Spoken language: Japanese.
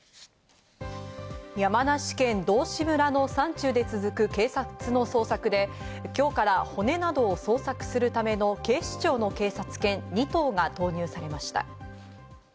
山梨県道志村の山中で続く警察の捜索で、今日から骨などを捜索するための警視庁の警察犬２頭が投入されました。